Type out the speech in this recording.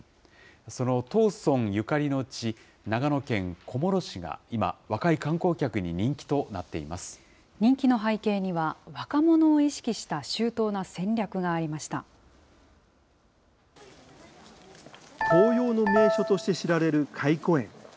その藤村ゆかりの地、長野県小諸市が今、若い観光客に人気となっ人気の背景には、若者を意識紅葉の名所として知られる懐古園。